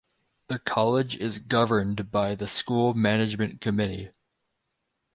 The College is governed by the School Management Committee.